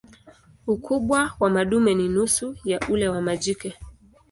Ukubwa wa madume ni nusu ya ule wa majike.